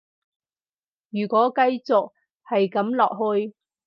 如果繼續係噉落去